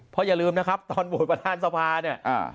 เพราะอย่าลืมนะครับตอนโหวตประธานสภาเนี่ย